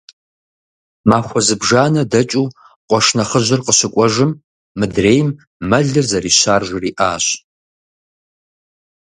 Махуэ зыбжанэ дэкӀыу къуэш нэхъыжьыр къыщыкӀуэжым, мыдрейм мэлыр зэрищар жриӀащ.